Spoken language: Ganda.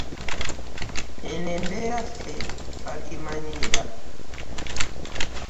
Eno embeera ffe twagimanyiira.